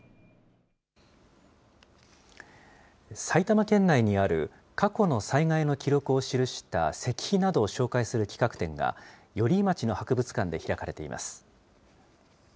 埼玉県内にある過去の災害の記録を記した石碑などを紹介する企画展が、寄居町の博物館で開かれています。